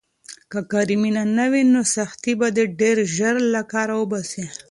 که کاري مینه نه وي، نو سختۍ به دې ډېر ژر له کاره وباسي.